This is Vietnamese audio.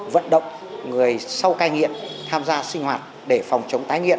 vận động người sau cai nghiện tham gia sinh hoạt để phòng chống tái nghiện